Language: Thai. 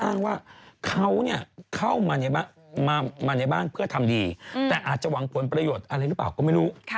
อ้างว่าเขาเข้ามาในบ้านเพื่อทำดีแต่อาจจะหวังผลประโยชน์อะไรหรือเปล่าก็ไม่รู้